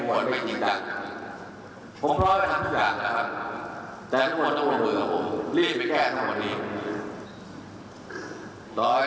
ผมพร้อมจะทำทุกอย่างนะครับแต่ทุกคนต้องกลัวเบื่อกับผมรีบไปแก้ทั้งหมดนี้